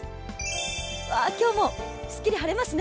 今日もすっきり晴れますね。